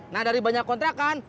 nah dari banyak kontrakan